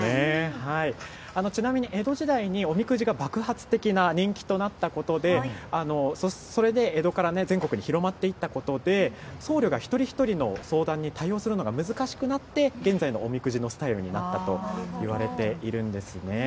ちなみに、江戸時代におみくじが爆発的な人気となったことでそれで江戸から全国に広まっていったことで僧侶が一人一人の相談に対応するのが難しくなって現在のおみくじのスタイルになったといわれているんですね。